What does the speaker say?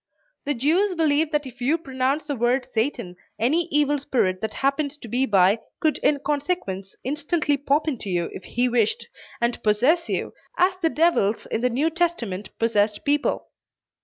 The Jews believed that if you pronounced the word "Satan" any evil spirit that happened to be by could in consequence instantly pop into you if he wished, and possess you, as the devils in the New Testament possessed people.